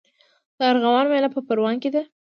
د ارغوان میله په پروان کې ده.